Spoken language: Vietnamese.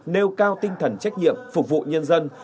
nêu cao tinh thần trách nhiệm phục vụ nhân dân